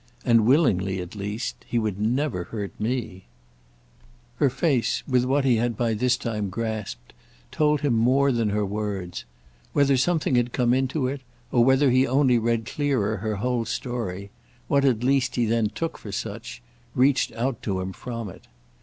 And—willingly, at least—he would never hurt me." Her face, with what he had by this time grasped, told him more than her words; whether something had come into it, or whether he only read clearer, her whole story—what at least he then took for such—reached out to him from it.